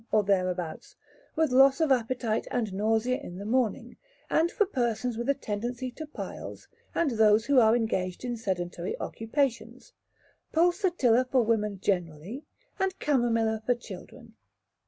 or thereabouts, with loss of appetite and nausea in the morning, and for persons with a tendency to piles, and those who are engaged in sedentary occupations; Pulsatilla for women generally, and Chamomilla for children.